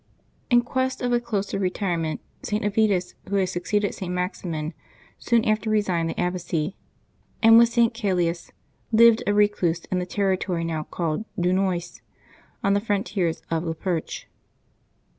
In quest of a closer re tirement, St. Avitus, who had succeeded St. Maximin, soon after resigned the abbacy, and with St. Calais lived a recluse in the territory now called Dunois, on the frontiers of La Perche.